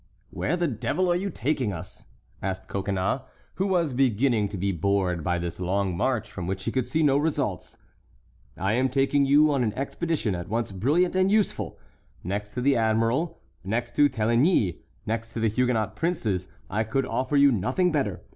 "Where the devil are you taking us?" asked Coconnas, who was beginning to be bored by this long march from which he could see no results. "I am taking you on an expedition at once brilliant and useful. Next to the admiral, next to Téligny, next to the Huguenot princes, I could offer you nothing better.